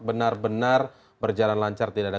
benar benar berjalan lancar tidak ada